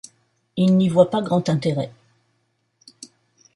Il n'y voit pas grand intérêt.